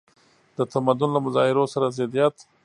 د تمدن له مظاهرو سره ضدیت.